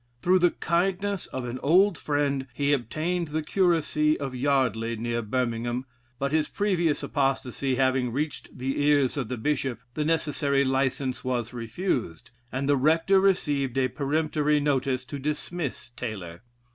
Through the kindness of an old friend, he obtained the curacy of Yardley, near Birmingham, but his previous apostacy having reached the ears of the Bishop, the necessary license was refused, and the rector received a peremptory notice to dismiss Taylor.